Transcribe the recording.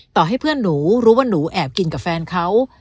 ต่อให้เพื่อนหนูรู้ว่าหนูแอบกินกับแฟนเขา